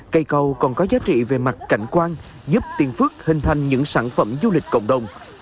cây cầu còn có giá trị về mặt cảnh quan giúp tiền phước hình thành những sản phẩm du lịch cộng đồng